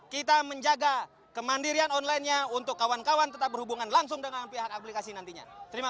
kita menjaga kemandirian onlinenya untuk kawan kawan tetap berhubungan langsung dengan pihak aplikasi nantinya